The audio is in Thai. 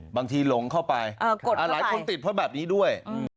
หลงเข้าไปหลายคนติดเพราะแบบนี้ด้วย